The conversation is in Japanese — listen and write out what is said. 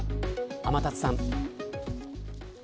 天達さん。